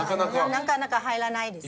なかなか入らないですね。